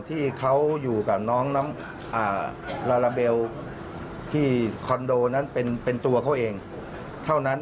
ที่เขาอยู่กับน้องลาลาเบลที่คอนโดนั้นเป็นตัวเขาเองเท่านั้น